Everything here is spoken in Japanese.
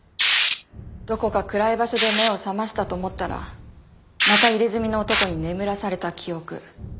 どこか暗い場所で目を覚ましたと思ったらまた入れ墨の男に眠らされた記憶。